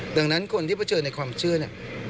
ดังนั้นคนที่เผชิญในความเชื่อเนี่ย